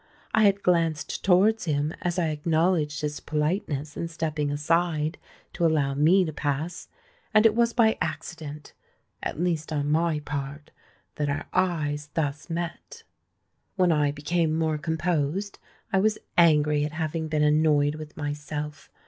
I had glanced towards him as I acknowledged his politeness in stepping aside to allow me to pass; and it was by accident—at least on my part—that our eyes thus met. When I became more composed, I was angry at having been annoyed with myself.